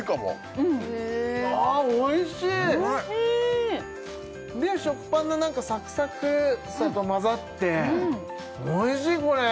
うまい！で食パンのサクサクさと混ざっておいしいこれ！